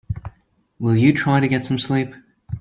Will you try to get some sleep?